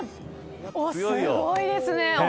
すごいですね。